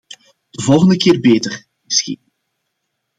De volgende keer beter, misschien.